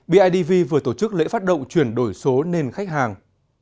bidv vừa tổ chức lễ phát động chuyển đổi số nên khách hàng